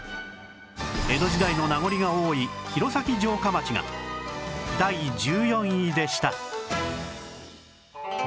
江戸時代の名残が多い弘前城下町が第１４位でした